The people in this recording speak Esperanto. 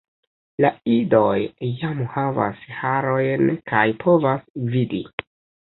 La idoj jam havas harojn kaj povas vidi.